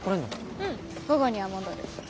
うん午後には戻る。